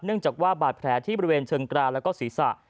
เนื่องจากว่าบาดแผลที่บริเวณเชิงกราศและศรีษะ